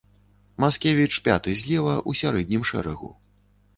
Маскевіч пяты злева ў сярэднім шэрагу.